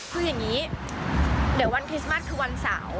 คืออย่างนี้เดี๋ยววันคริสต์มัสคือวันเสาร์